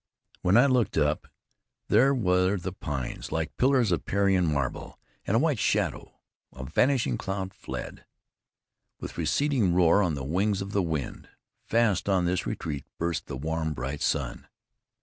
When I looked up, there were the pines, like pillars of Parian marble, and a white shadow, a vanishing cloud fled, with receding roar, on the wings of the wind. Fast on this retreat burst the warm, bright sun.